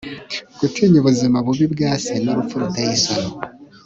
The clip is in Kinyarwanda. gutinya ubuzima bubi bwa se nurupfu ruteye isoni